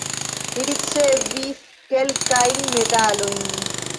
Li ricevis kelkajn medalojn.